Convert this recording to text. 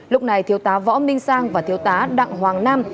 lúc này thiếu tá võ minh sang và thiếu tá đặng hoàng nam